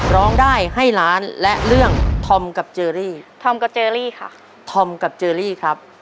ร้องได้ให้ล้านและเรื่องธอมกับเจอรี่ธอมกับเจอรี่ค่ะธอมกับเจอรี่ครับ